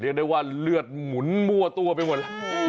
เรียกได้ว่าเลือดหมุนมั่วตัวไปหมด